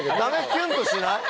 キュンとしない？